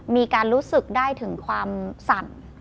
มีการรู้สึกได้ถึงความสั่น